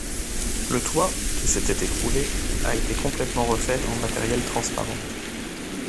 Le toit, qui s'était écroulé, a été complètement refait en matériel transparent.